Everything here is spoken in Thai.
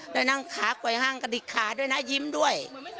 แล้วนั่งขากว่ายห้างกระดิกขาด้วยนะยิ้มด้วย